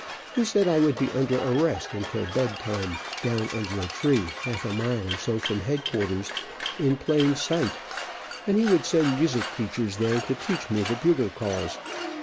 He said I would be under arrest until bed time, down under a tree, half a mile or so from headquarters, in plain sight, and he would send music teachers there to teach me the bugle calls.